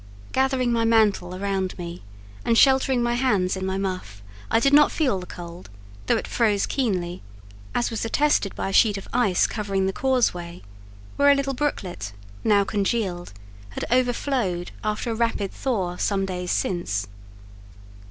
Gathering my mantle about me, and sheltering my hands in my muff, I did not feel the cold, though it froze keenly; as was attested by a sheet of ice covering the causeway, where a little brooklet, now congealed, had overflowed after a rapid thaw some days since.